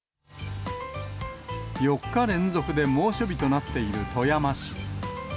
４日連続で猛暑日となっている富山市。